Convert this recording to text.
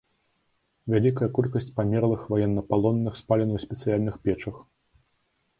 Вялікая колькасць памерлых ваеннапалонных спалена ў спецыяльных печах.